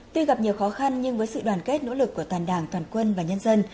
tuy gặp nhiều khó khăn nhưng với sự đoàn kết nỗ lực của toàn đảng toàn quân và nhân dân